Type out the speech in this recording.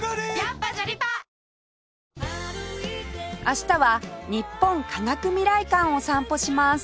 明日は日本科学未来館を散歩します